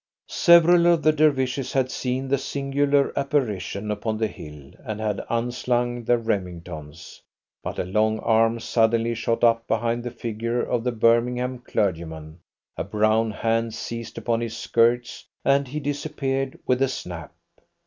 Several of the Dervishes had seen the singular apparition upon the hill, and had unslung their Remingtons, but a long arm suddenly shot up behind the figure of the Birmingham clergyman, a brown hand seized upon his skirts, and he disappeared with a snap.